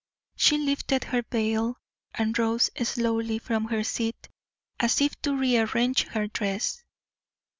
She lifted her veil and rose slowly from her seat, as if to rearrange her dress.